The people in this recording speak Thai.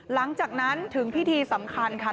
หลังจากนั้นถึงพิธีสำคัญค่ะ